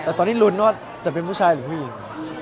แต่ตอนนี้ลุ้นว่าจะเป็นผู้ชายหรือผู้หญิง